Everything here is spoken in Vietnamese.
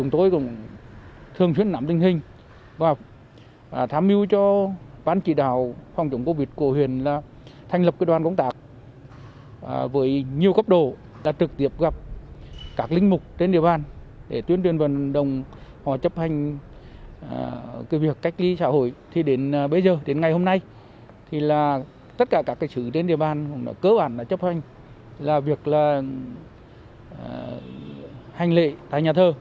tổ công tác sẽ trực tiếp tiếp xúc với các linh mục tuyên truyền vận động và yêu cầu chấp hành nghiêm túc các quy định về phòng chống dịch covid một mươi chín